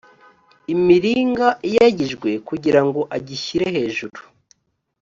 imiringa iyagijwe kugira ngo ayishyire hejuru